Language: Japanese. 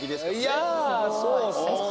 いやそうそう。